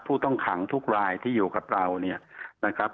ผู้ต้องขังทุกรายที่อยู่กับเราเนี่ยนะครับ